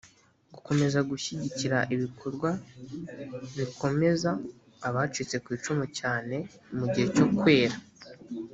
gukomeza gushyigikira ibikorwa bikomeza abacitse ku icumu cyane mu gihe cyo kwera